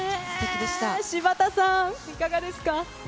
柴田さん、いかがですか？